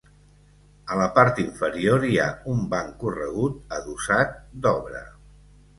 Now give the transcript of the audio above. A la part inferior hi ha un banc corregut adossat, d'obra.